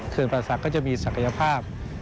เขื่อนปลาศักดิ์ก็จะมีศักยภาพ